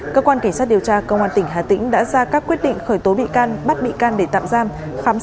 cơ quan cảnh sát điều tra công an tỉnh hà tĩnh đã ra các quyết định khởi tố bị can bắt bị can để tạm giam